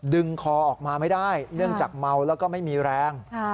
ดึงคอออกมาไม่ได้เนื่องจากเมาแล้วก็ไม่มีแรง